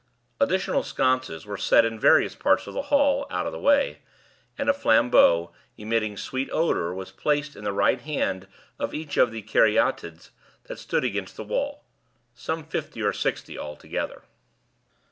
Additional sconces were set in various parts of the hall, out of the war, and a flambeau, emitting sweet odor, was placed in the right hand of each of the Caryaides [Caryatides] that stood against the wall—some fifty or sixty altogether.